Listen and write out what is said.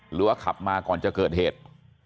หรือว่าขับมาก่อนจะเกิดเหตุ